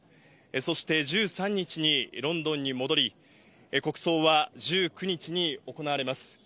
そして１３日にロンドンに戻り、国葬は１９日に行われます。